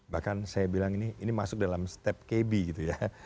bahkan saya bilang ini masuk dalam step kb gitu ya